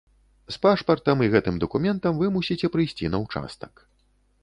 З пашпартам і гэтым дакументам вы мусіце прыйсці на ўчастак.